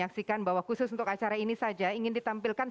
jangan lupa untuk berikan duit kepada tuhan